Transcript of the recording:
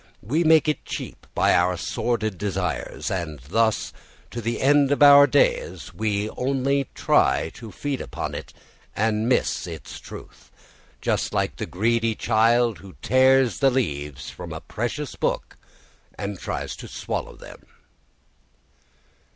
We make it cheap by our sordid desires; and thus to the end of our days we only try to feed upon it and miss its truth, just like the greedy child who tears leaves from a precious book and tries to swallow them.